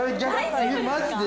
◆マジで？